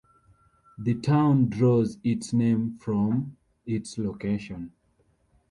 The town draws its name from its location.